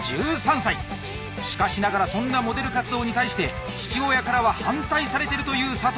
しかしながらそんなモデル活動に対して父親からは反対されてるという佐藤！